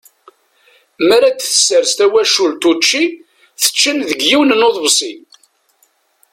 Mi ara d-tessers twacult učči, tetten deg yiwen n uḍebsi.